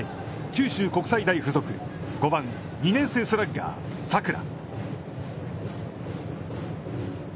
九州国際大付属５番、２年生スラッガー佐倉。